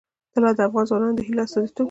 طلا د افغان ځوانانو د هیلو استازیتوب کوي.